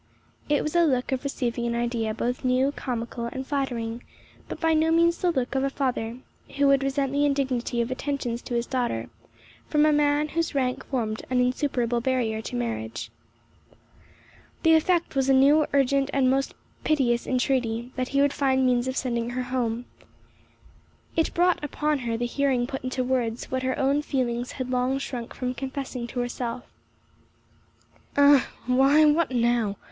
It was a look of receiving an idea both new, comical, and flattering, but by no means the look of a father who would resent the indignity of attentions to his daughter from a man whose rank formed an insuperable barrier to marriage. The effect was a new, urgent, and most piteous entreaty, that he would find means of sending her home. It brought upon her the hearing put into words what her own feelings had long shrunk from confessing to herself. "Ah! Why, what now?